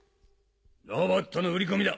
ロボットの売り込みだ。